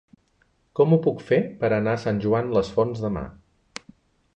Com ho puc fer per anar a Sant Joan les Fonts demà?